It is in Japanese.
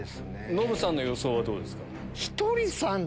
ノブさんの予想はどうですか？